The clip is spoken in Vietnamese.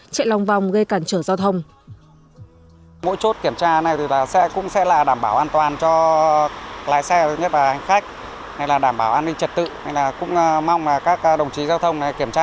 chạy lòng vòng gây cản trở giao thông